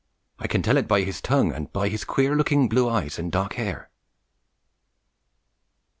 I can tell it by his tongue, and by his queer looking blue eyes and dark hair.'